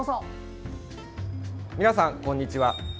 皆さん、こんにちは。